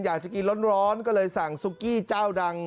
อยากจะกินร้อนก็เลยสั่งซุกี้เจ้าดัง